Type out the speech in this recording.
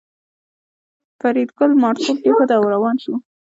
فریدګل مارتول کېښود او روان شو